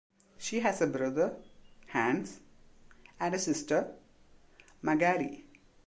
She has a brother, Hans, and a sister, Magali.